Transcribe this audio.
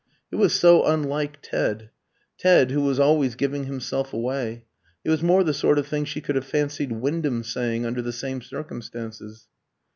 It was so unlike Ted Ted, who was always giving himself away; it was more the sort of thing she could have fancied Wyndham saying under the same circumstances.